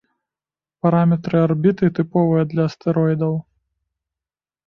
Параметры арбіты тыповыя для астэроідаў.